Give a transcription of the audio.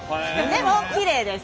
でもきれいです。